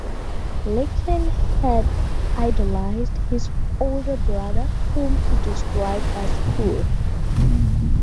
Larkin had idolized his older brother, whom he described as "cool".